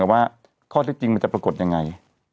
ว่าข้อเท็จจริงมันจะปรากฏยังไง